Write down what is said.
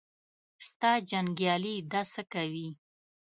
ستا جنګیالي دا څه کوي.